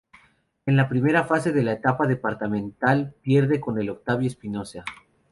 En la primera fase de la etapa departamental pierde con el Octavio Espinoza.